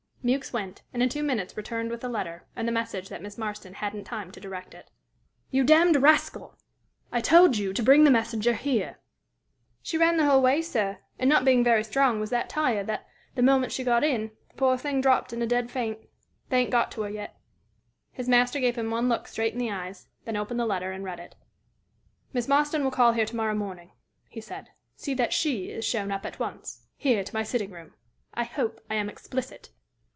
Mewks went, and in two minutes returned with the letter, and the message that Miss Marston hadn't time to direct it. "You damned rascal! I told you to bring the messenger here." "She ran the whole way, sir, and not being very strong, was that tired, that, the moment she got in, the poor thing dropped in a dead faint. They ain't got her to yet." His master gave him one look straight in the eyes, then opened the letter, and read it. "Miss Marston will call here tomorrow morning," he said; "see that she is shown up at once here, to my sitting room. I hope I am explicit."